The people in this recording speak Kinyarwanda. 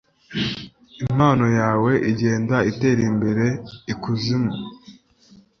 impano yawe igenda itera imbere ikuzimu